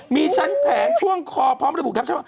มีชั้นแผงช่วงคอพร้อมระบุครับ